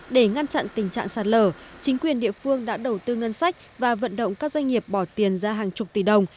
để ngăn chặn tình trạng sạt lở chính quyền địa phương đã đầu tư ngân sách và vận động các doanh nghiệp bỏ tiền ra hàng chục tỷ đồng